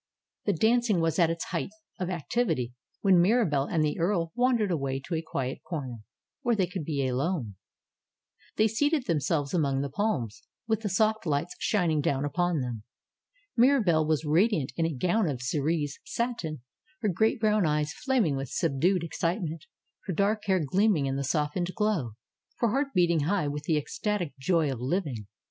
The dancing was at its height of activity when Mira belle and the earl wandered away to a quiet corner, where they could be alone. They seated themselves among the palms, with the soft lights shining down upon them. Mirahelle was radiant in a gown of cerise satin; her great brown eyes flaming with subdued ex citement ; her dark hair gleaming in the softened glow ; her heart beating high with the ecstatic joy of living.